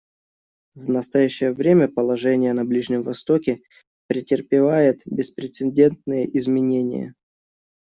В настоящее время положение на Ближнем Востоке претерпевает беспрецедентные изменения.